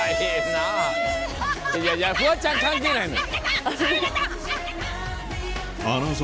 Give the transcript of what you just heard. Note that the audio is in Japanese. フワちゃん関係ないのよ。